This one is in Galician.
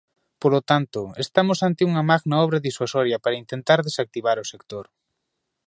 Polo tanto, estamos ante unha magna obra disuasoria para intentar desactivar o sector.